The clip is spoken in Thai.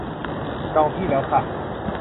จองที่แล้วค่ะ